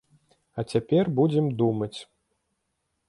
А цяпер будзем думаць.